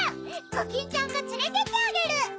コキンちゃんがつれてってあげる！